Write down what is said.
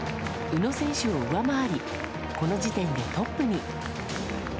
宇野選手を上回り、この時点でトップに。